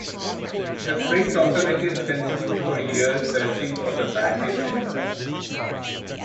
The French authorities continued for years searching for the bandits involved.